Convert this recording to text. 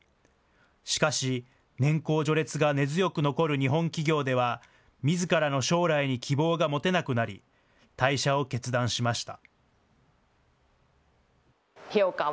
しかし、年功序列が根強く残る日本企業では、みずからの将来に希望が持てなくなり、退社を決断しました。